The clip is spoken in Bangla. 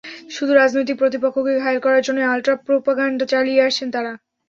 শুধু রাজনৈতিক প্রতিপক্ষকে ঘায়েল করার জন্যই আলট্রা প্রোপাগান্ডা চালিয়ে আসছেন তাঁরা।